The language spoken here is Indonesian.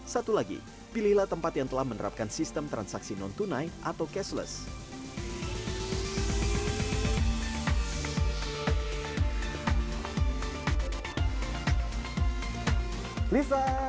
satu lagi pilihlah tempat yang telah menerapkan sistem transaksi non tunai atau cashless